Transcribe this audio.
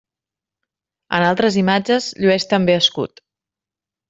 En altres imatges llueix també escut.